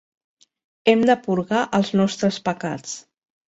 Hem de purgar els nostres pecats.